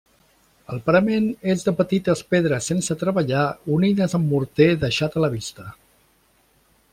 El parament és de petites pedres sense treballar unides amb morter deixat a la vista.